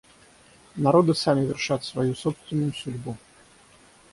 Народы сами вершат свою собственную судьбу.